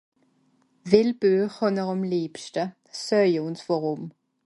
well Buech hànn'r àm lebschte seuje ùns wàrùm